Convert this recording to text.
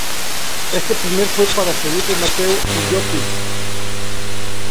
Este primer fue para Felipe Mateu y Llopis.